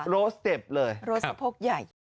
โรสเต็ปเลยโรสสะโพกใหญ่